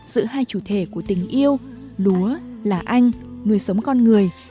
giữa hai chủ thể của tình yêu lúa là anh nuôi sống con người